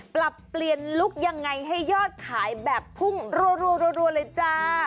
ปรับเปลี่ยนลุคยังไงให้ยอดขายแบบพุ่งรัวเลยจ้า